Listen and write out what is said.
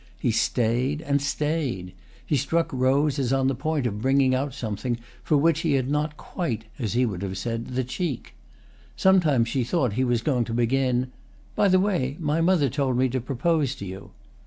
He stayed and stayed; he struck Rose as on the point of bringing out something for which he had not quite, as he would have said, the cheek. Sometimes she thought he was going to begin: "By the way, my mother told me to propose to you."